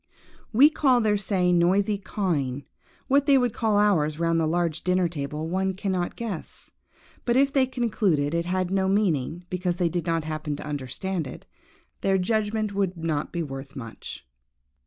We call their say noisy cawing; what they would call ours round the large dinner table one cannot guess; but, if they concluded it had no meaning, because they did not happen to understand it, their judgment would not be worth much.